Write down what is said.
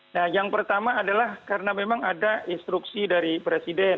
nah yang pertama adalah karena memang ada instruksi dari presiden